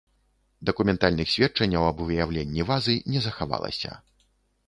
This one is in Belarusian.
Дакументальных сведчанняў аб выяўленні вазы не захавалася.